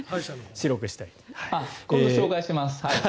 今度紹介します。